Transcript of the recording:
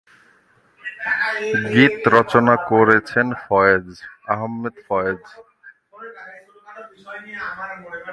গীত রচনা করেছেন ফয়েজ আহমেদ ফয়েজ।